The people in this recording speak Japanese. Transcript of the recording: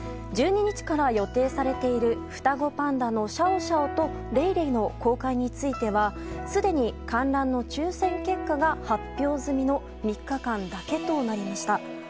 １２日から予定されている双子パンダのシャオシャオとレイレイの公開についてはすでに観覧の抽選結果が発表済みの３日間だけとなりました。